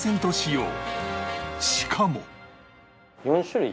しかも